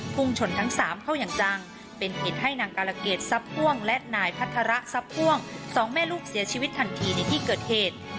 พุ่งชนทั้งสามเข้าอย่างจังเป็นเหตุให้นางกาลเกรดทรัพย์พ่วงและนายพัฒระทรัพย์พ่วงสองแม่ลูกเสียชีวิตทันทีในที่เกิดเหตุ